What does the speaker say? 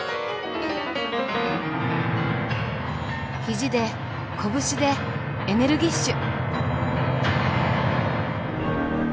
肘で拳でエネルギッシュ！